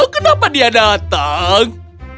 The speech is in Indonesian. kenapa dia datang